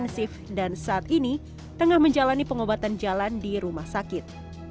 sengah menjalani pengobatan jalan di rumah sakit